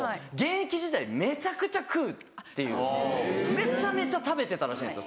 めちゃめちゃ食べてたらしいんですよ。